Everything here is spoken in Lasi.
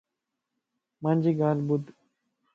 مانجي ڳالهه ٻڌ